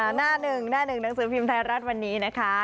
หน้าหนึ่งหนังสือพิมพ์ทาลรัฐวันนี้นะคะ